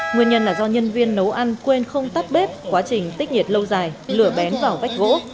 nguyên nhân là do nhân viên nấu ăn quên không tắt bếp quá trình tích nhiệt lâu dài lửa bén vào vách gỗ